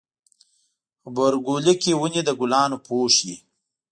غبرګولی کې ونې د ګلانو پوښ وي.